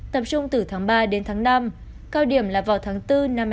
tập trung từ tháng ba đến tháng năm cao điểm là vào tháng bốn năm hai nghìn hai mươi